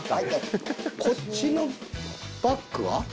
こっちのバッグは？